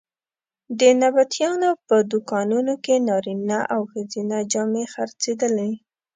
د نبطیانو په دوکانونو کې نارینه او ښځینه جامې خرڅېدلې.